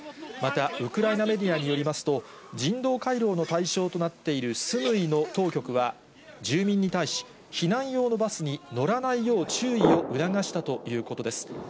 また、ウクライナメディアによりますと、人道回廊の対象となっているスムイの当局は、住民に対し、避難用のバスに乗らないよう注意を促したということです。